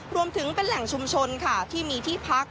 รวมถึงเป็นแหล่งชุมชนค่ะที่มีที่พัก